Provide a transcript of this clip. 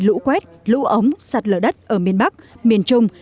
đợt mưa lớn gây lũ quét lũ ống sạt lở đất ở miền bắc miền trung